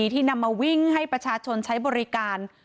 ที่นำมาวิ่งให้ประชาชนใช้บริการ